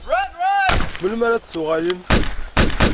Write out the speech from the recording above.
Melmi ara d-tuɣalem?